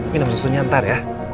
minum susunya ntar ya